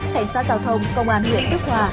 cảnh sát giao thông công an huyện tức hòa